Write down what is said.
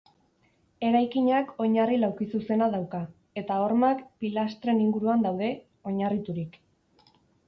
Eraikinak oinarri laukizuzena dauka, eta hormak pilastren inguruan daude oinarriturik.